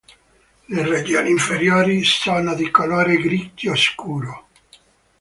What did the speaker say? Le regioni inferiori sono di colore grigio scuro.